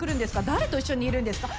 誰と一緒にいるんですか？